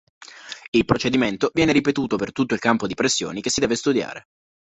Il procedimento viene ripetuto per tutto il campo di pressioni che si deve studiare.